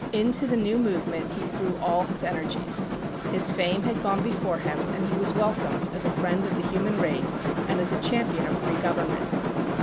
Into the new movement he threw all his energies. His fame had gone before him, and he was welcomed as a friend of the human race, and as a champion of free government.